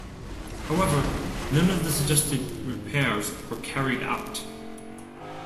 However, none of the suggested repairs were carried out.